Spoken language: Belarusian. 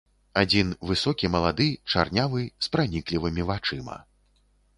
Адзін высокі, малады, чарнявы, з праніклівымі вачыма.